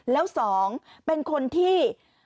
แล้ว๒เป็นคนที่